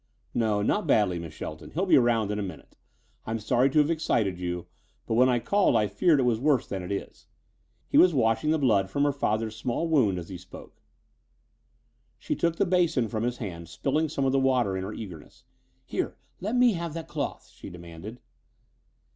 "No, not badly, Miss Shelton. He'll be around in a minute. I'm sorry to have excited you, but when I called I feared it was worse than it is." He was washing the blood from her father's small wound as he spoke. She took the basin from his hand, spilling some of the water in her eagerness. "Here, let me have that cloth," she demanded.